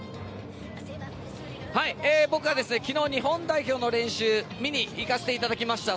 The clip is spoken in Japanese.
僕が昨日、日本代表の練習見に行かせていただきました。